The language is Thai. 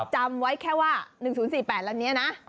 จำไว้แค่ว่า๑๐๔๘แล้วนี้นะ